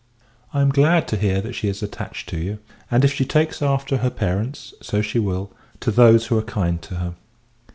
I am glad to hear, that she is attached to you; and, if she takes after her parents, so she will, to those who are kind to her.